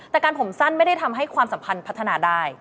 แต่การผมสั้นไม่ได้ทำให้ความสัมพันธ์พัฒนาได้